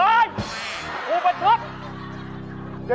เอ๊ยอุปชุด